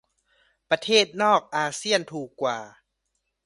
ประเทศนอกอาเซี่ยนถูกกว่า